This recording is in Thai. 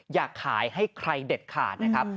อยากขายให้ใครเด็ดขาดนะครับ